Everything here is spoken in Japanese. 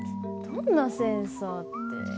どんなセンサーって。